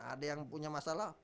ada yang punya masalah